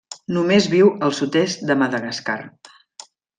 Només viu al sud-est de Madagascar.